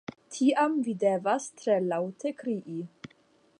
Tiam vi devas tre laŭte krii.